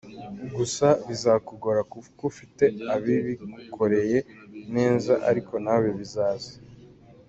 gusa bizakugora kuko ufite abibigukoreye neza ariko nawe bizaza.